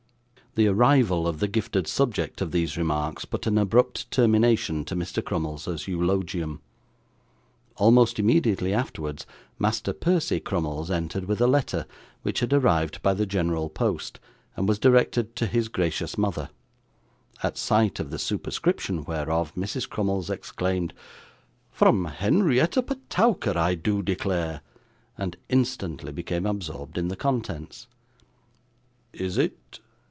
The arrival of the gifted subject of these remarks put an abrupt termination to Mr. Crummles's eulogium. Almost immediately afterwards, Master Percy Crummles entered with a letter, which had arrived by the General Post, and was directed to his gracious mother; at sight of the superscription whereof, Mrs. Crummles exclaimed, 'From Henrietta Petowker, I do declare!' and instantly became absorbed in the contents. 'Is it